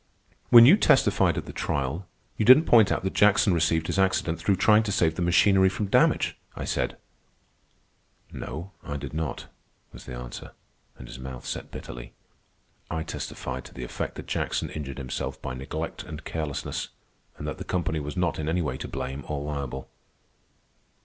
"When you testified at the trial, you didn't point out that Jackson received his accident through trying to save the machinery from damage?" I said. "No, I did not," was the answer, and his mouth set bitterly. "I testified to the effect that Jackson injured himself by neglect and carelessness, and that the company was not in any way to blame or liable."